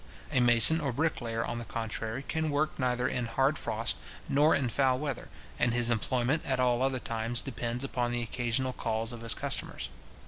A mason or bricklayer, on the contrary, can work neither in hard frost nor in foul weather, and his employment at all other times depends upon the occasional calls of his customers.